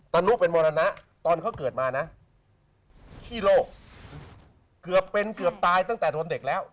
นุเป็นมรณะตอนเขาเกิดมานะขี้โลกเกือบเป็นเกือบตายตั้งแต่โดนเด็กแล้ว